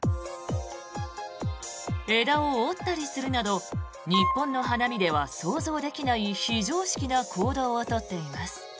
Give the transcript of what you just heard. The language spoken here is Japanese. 枝を折ったりするなど日本の花見では想像できない非常識な行動を取っています。